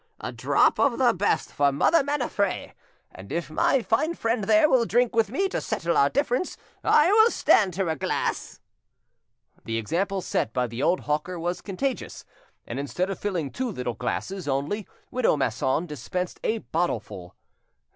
A drop of the best for Mother Maniffret, and if my fine friend there will drink with me to settle our difference, I will stand her a glass." The example set by the old hawker was contagious, and instead of filling two little glasses only, widow Masson dispensed a bottleful.